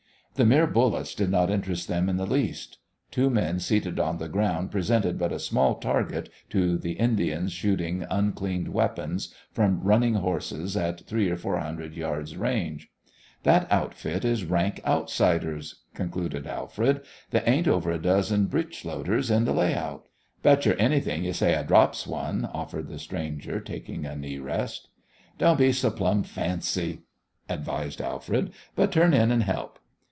The mere bullets did not interest them in the least. Two men seated on the ground presented but a small mark to the Indians shooting uncleaned weapons from running horses at three or four hundred yards' range. "That outfit is rank outsiders," concluded Alfred. "They ain't over a dozen britch loaders in the lay out." "Betcher anything you say I drops one," offered the stranger, taking a knee rest. "Don't be so plumb fancy," advised Alfred, "but turn in and help."